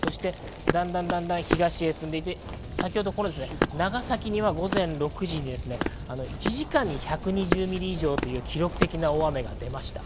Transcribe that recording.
だんだん東へ進んで長崎には午前６時に１時間に１２０ミリ以上という記録的な大雨が出ました。